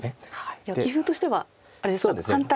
では棋風としてはあれですか反対と。